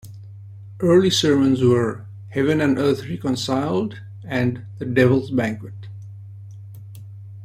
Early sermons were "Heaven and Earth Reconciled", and "The Devil's Banquet".